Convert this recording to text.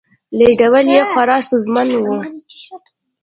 لېږدول یې خورا ستونزمن و